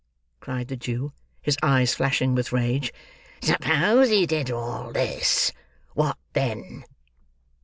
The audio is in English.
cried the Jew, his eyes flashing with rage. "Suppose he did all this, what then?"